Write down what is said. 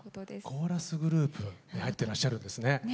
コーラスグループに入ってらっしゃるんですね。